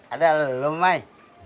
ada leluhur mai